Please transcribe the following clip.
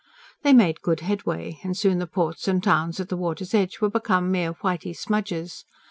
They made good headway, and soon the ports and towns at the water's edge were become mere whitey smudges.